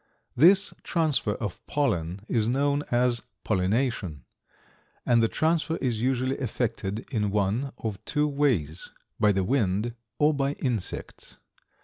This transfer of pollen is known as pollination, and the transfer is usually effected in one of two ways, by the wind or by insects.